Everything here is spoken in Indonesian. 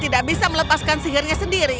tidak bisa melepaskan sihirnya sendiri